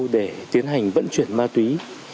để tiến hành vận chuyển ma túy